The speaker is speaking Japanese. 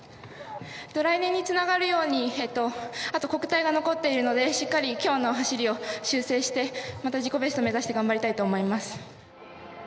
来年につながるようにあと国体が残っているのでしっかり今日の走りを修正してまた自己ベスト目指して頑張りたいと思います